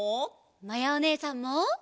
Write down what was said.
まやおねえさんも。